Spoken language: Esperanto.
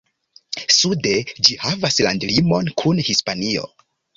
Sude ĝi havas landlimon kun Hispanio.